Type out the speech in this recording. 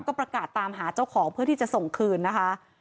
ก็ประกาศตามหาเจ้าของเพื่อที่จะส่งคืนนะคะ